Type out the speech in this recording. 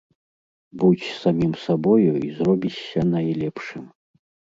Будзь самім сабою і зробішся найлепшым.